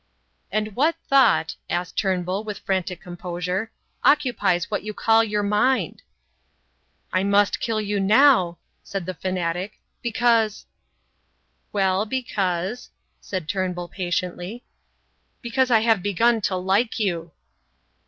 "And what thought," asked Turnbull, with frantic composure, "occupies what you call your mind?" "I must kill you now," said the fanatic, "because " "Well, because," said Turnbull, patiently. "Because I have begun to like you."